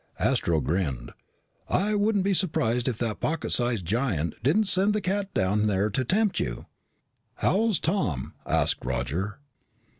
Astro grinned. "I wouldn't be surprised if that pocket sized giant didn't send that cat down there to tempt you." "How's Tom?" asked Roger.